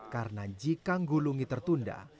karena jika nggulungi tertunda